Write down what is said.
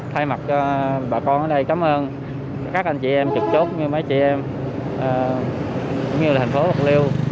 thay mặt bà con ở đây cám ơn các anh chị em chụp chốt như mấy chị em cũng như là tp bạc liêu